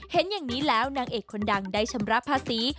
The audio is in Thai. เห็นอย่างนี้แล้วนางเอกคนดังได้ชำระภาษี